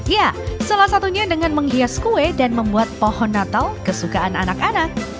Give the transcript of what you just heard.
ya salah satunya dengan menghias kue dan membuat pohon natal kesukaan anak anak